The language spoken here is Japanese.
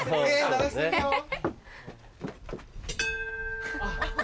鳴らしてみよう！